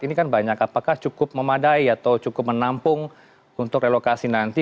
ini kan banyak apakah cukup memadai atau cukup menampung untuk relokasi nanti